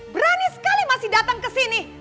berani sekali masih datang ke sini